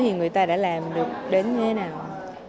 thì người ta đã làm được đến thế nào